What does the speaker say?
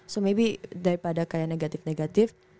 so maybe daripada kalian negatif negatif